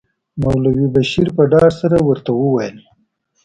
مولوي بشیر په ډاډ سره ورته وویل.